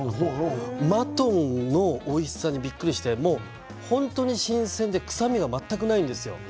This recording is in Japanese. マトンのおいしさにびっくりして本当に新鮮で臭みが全くないんですよ。